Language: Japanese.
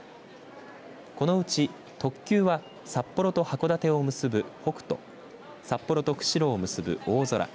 このうち特急は札幌と函館を結ぶ北斗札幌と釧路を結ぶおおぞら